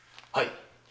はい。